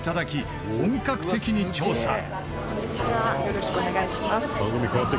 よろしくお願いします」